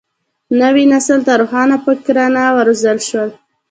نوي نسل ته روښان فکران وروزل شول.